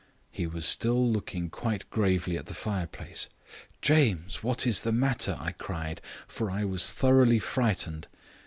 He was still looking quite gravely at the fireplace. "'James, what is the matter?' I cried, for I was thoroughly frightened.